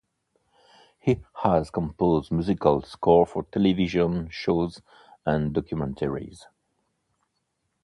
He has composed musical scores for television shows and documentaries.